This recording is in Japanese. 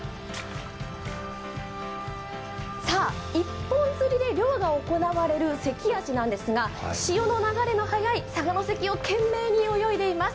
一本釣りで漁が行われる関あじですが、潮の流れの速い佐賀関を懸命に泳いでいます。